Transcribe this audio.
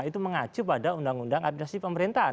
itu mengacu pada undang undang administrasi pemerintahan